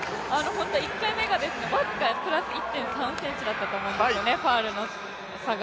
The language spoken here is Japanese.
１回目が僅かプラス１．３ｃｍだったと思うんですよね、ファウルの差が。